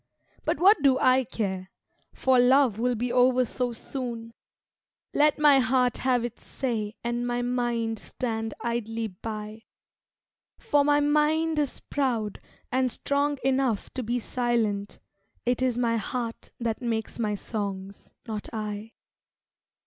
But what do I care, for love will be over so soon, Let my heart have its say and my mind stand idly by, For my mind is proud and strong enough to be silent, It is my heart that makes my songs, not I.